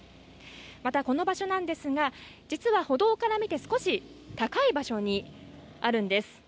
またこの場所なんですが、実は歩道から見て少し高い場所にあるんです。